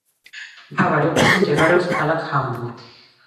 მთავარი ოფისი მდებარეობს ქალაქ ჰამბურგში.